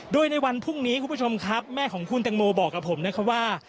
โดยในวันพรุ่งนี้คุณผู้ชมครับแม่ของคุณแตงโมบอกกับผมนะครับว่า